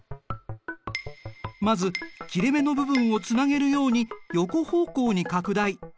まず切れ目の部分をつなげるように横方向に拡大。